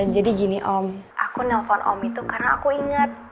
jadi gini om aku nelfon om itu karena aku ingat